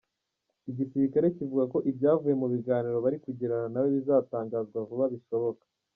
Igisirikare kivuga ko ibyavuye mu biganiro bari kugirana nawe bizatangazwa vuba bishoboka.